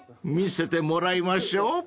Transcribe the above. ［見せてもらいましょう］